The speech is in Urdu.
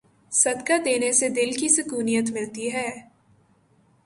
صدقہ دینے سے دل کی سکونیت ملتی ہے۔